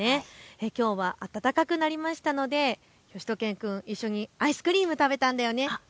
きょうは暖かくなりましたのでしゅと犬くん、一緒にアイスクリーム食べたんだよね。